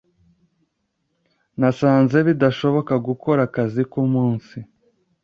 Nasanze bidashoboka gukora akazi kumunsi.